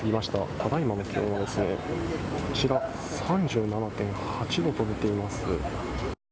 ただいまの気温はこちら３７．８度と出ています。